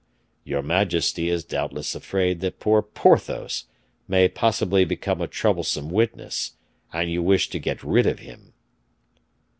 "Your majesty is doubtless afraid that poor Porthos may possible become a troublesome witness, and you wish to get rid of him."